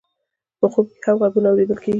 په خوب کې هم غږونه اورېدل کېږي.